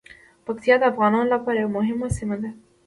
پکتیا د افغانانو لپاره یوه مهمه سیمه ده.